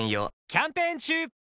キャンペーン中！